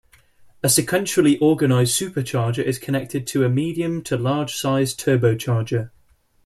A sequentially-organized supercharger is connected to a medium- to large-sized turbocharger.